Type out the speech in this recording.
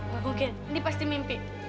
wah mungkin ini pasti mimpi